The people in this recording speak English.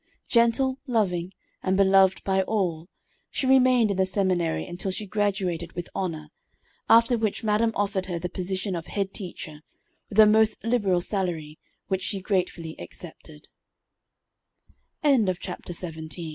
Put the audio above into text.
Gentle, loving, and beloved by all, she remained in the seminary until she graduated with honor, after which madam offered her the position of head teacher, with a most liberal salary, which she gratef